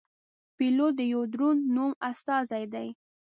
پیلوټ د یوه دروند نوم استازی دی.